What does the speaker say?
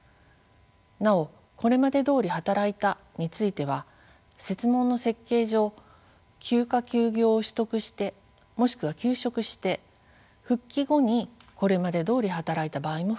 なお「これまでどおり働いた」については設問の設計上休暇・休業を取得してもしくは休職して復帰後にこれまでどおり働いた場合も含まれます。